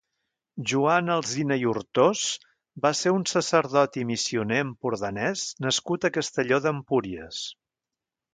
Joan Alsina i Hurtós va ser un sacerdot i missioner empordanès nascut a Castelló d'Empúries.